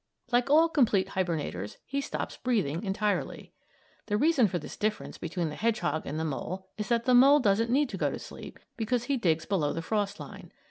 Like all complete hibernators he stops breathing entirely. The reason for this difference between the hedgehog and the mole is that the mole doesn't need to go to sleep, because he digs below the frost line.